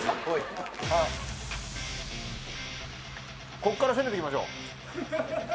こっから攻めていきましょう。